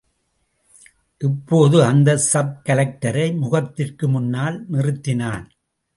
இப்போது அந்த சப் கலெக்டரை முகத்திற்கு முன்னால் நிறுத்தினான்.